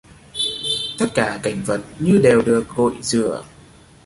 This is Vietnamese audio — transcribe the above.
Tất cả cảnh vật như đều được gội rửa